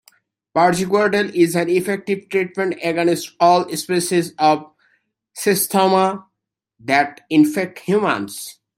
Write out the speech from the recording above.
Praziquantel is an effective treatment against all species of "Schistosoma" that infect humans.